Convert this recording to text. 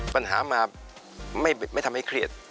ปัญหามาไม่ทำให้เครียด